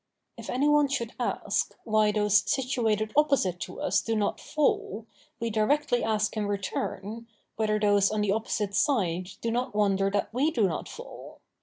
If any one should ask, why those situated opposite to us do not fall, we directly ask in return, whether those on the opposite side do not wonder that we do not fall.